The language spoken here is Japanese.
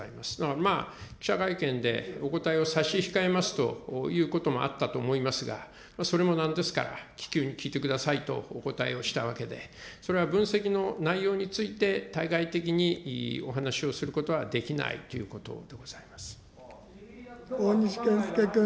まあ、記者会見でお答えを差し控えますということもあったと思いますが、それもなんですから、気球に聞いてくださいとお答えをしたわけで、それは分析の内容について対外的にお話をすることはできないとい大西健介君。